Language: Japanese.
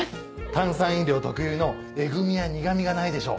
炭酸飲料特有のエグ味や苦味がないでしょ？